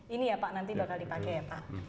ini ya pak nanti bakal dipakai ya pak